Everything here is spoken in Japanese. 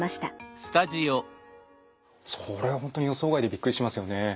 それはほんとに予想外でびっくりしますよね。